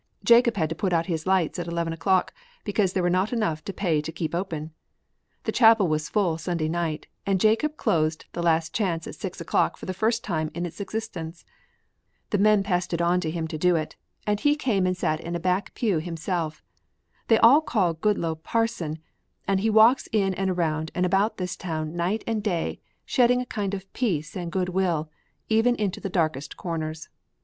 Jacob had to put out his lights at eleven o'clock because there were not enough to pay to keep open. The chapel was full Sunday night and Jacob closed the Last Chance at six o'clock for the first time in its existence. The men passed it on to him to do it and he came and sat in a back pew himself. They all call Mr. Goodloe 'Parson,' and he walks in and around and about this town night and day shedding a kind of peace and good will even into the darkest corners.